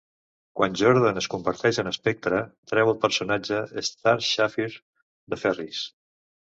Quan Jordan es converteix en Spectre, treu el personatge Star Sapphire de Ferris.